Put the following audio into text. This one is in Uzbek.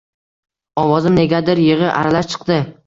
Ovozim negadir yigʻi aralash chiqdi.